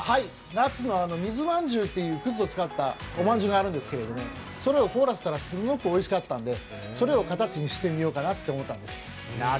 夏の、水まんじゅうというくずを使ったおまんじゅうがあるんですけどそれを凍らせたらすごくおいしかったんで、それを形にしようと思ったんです。